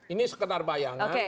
ini sekedar bayangan